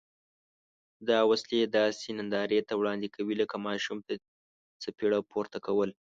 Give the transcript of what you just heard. دا وسلې داسې نندارې ته وړاندې کوي لکه ماشوم ته څپېړه پورته کول.